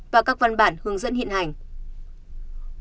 và các văn bản hướng dẫn hiện hành